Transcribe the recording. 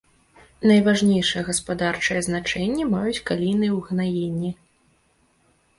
Найважнейшае гаспадарчае значэнне маюць калійныя ўгнаенні.